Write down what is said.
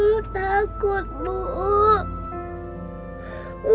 lu takut bu